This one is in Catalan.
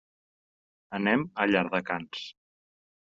Anem a Llardecans.